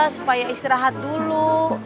supaya istirahat dulu